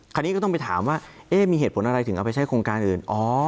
คราวนี้ก็ต้องไปถามว่ามีเหตุผลอะไรถึงเอาไปใช้โครงการอื่น